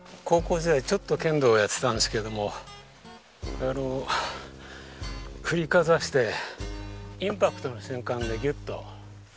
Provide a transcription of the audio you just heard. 高校時代ちょっと剣道やってたんですけどもあの振りかざしてインパクトの瞬間でギュッと。